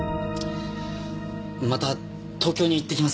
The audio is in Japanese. また東京に行ってきます。